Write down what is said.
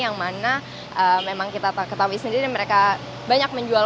yang mana memang kita ketahui sendiri dan mereka banyak menjual